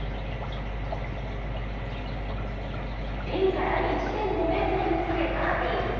ピンから１．５ｍにつけバーディー。